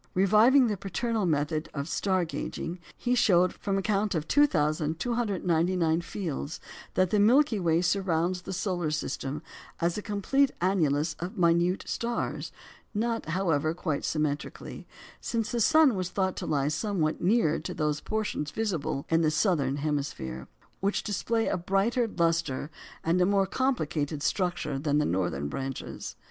Reviving the paternal method of "star gauging," he showed, from a count of 2,299 fields, that the Milky Way surrounds the solar system as a complete annulus of minute stars; not, however, quite symmetrically, since the sun was thought to lie somewhat nearer to those portions visible in the southern hemisphere, which display a brighter lustre and a more complicated structure than the northern branches.